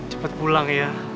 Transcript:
cepet pulang ya